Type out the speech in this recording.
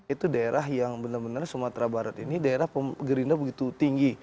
itu daerah yang benar benar sumatera barat ini daerah gerinda begitu tinggi